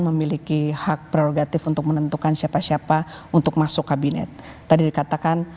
memiliki hak prerogatif untuk menentukan siapa siapa untuk masuk kabinet tadi dikatakan